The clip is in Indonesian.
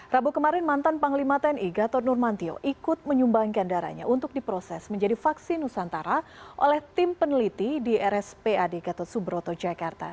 rabu kemarin mantan panglima tni gatot nurmantio ikut menyumbangkan darahnya untuk diproses menjadi vaksin nusantara oleh tim peneliti di rspad gatot subroto jakarta